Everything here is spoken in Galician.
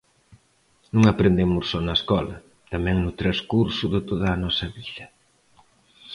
Non aprendemos só na escola, tamén no transcurso de toda a nosa vida.